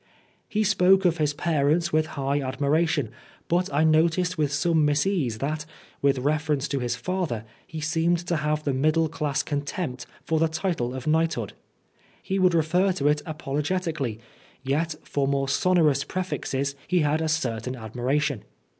He spoke of his parents with high admira tion, but I noticed with some misease that, with reference to his father, he seemed to have the middle class contempt for the title of knighthood. He would refer to it apolo getically, yet for more sonorous prefixes he had a certain admiration.